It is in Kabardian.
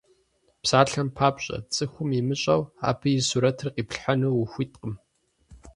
Псалъэм папщӏэ, цӏыхум имыщӏэу, абы и сурэтыр къиплъхьэну ухуиткъым.